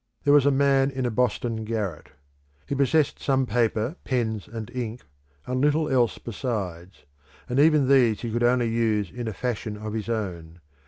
There was a man in a Boston garret. He possessed some paper, pens and ink, and little else besides; and even these he could only use in a fashion of his own.